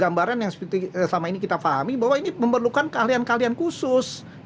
gambaran yang selama ini kita pahami bahwa ini memerlukan keahlian keahlian khusus